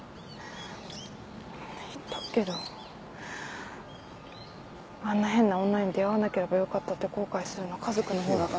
言っとくけどあんな変な女に出会わなければよかったって後悔するのカズくんのほうだから。